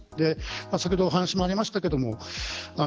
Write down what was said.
先ほど話もありましたけど。